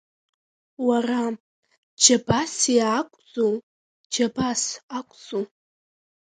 Уара, Џьабасиаакәзу, Џьабас акәзу.